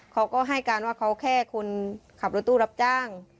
เขาก็ให้การว่าเขาแค่คนขับรถตู้รับจ้าง